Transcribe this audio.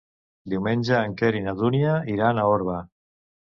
Diumenge en Quer i na Dúnia iran a Orba.